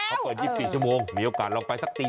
เขาก็อันที่๒๔ชั่วโมงมีโอกาสลองไปสักตี๒ตี๓